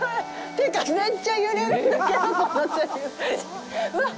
てか、めっちゃ揺れるんだけどうわっ。